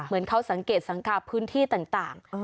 เหมือนเขาสังเกตสังคาพื้นที่ต่าง